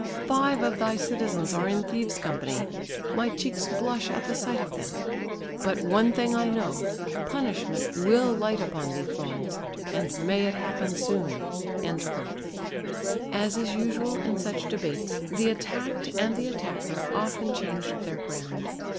Five of thy citizens are in thieves' company; my cheeks blush at the sight of them. But one thing I know; punishment will light upon thee, Florence, and may it happen soon!" As is usual in such debates, the attacked and the attacker often changed their ground.